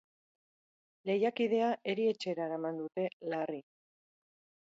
Lehiakidea erietxera eraman dute, larri.